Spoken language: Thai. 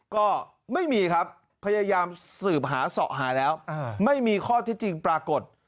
ก็ไม่มีครับพยายามสืบหาเสาะหาแล้วไม่มีข้อที่จริงปรากฏ